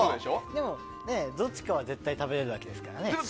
でも、どっちかは絶対食べれるわけですからね。